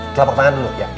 telapak tangan dulu ya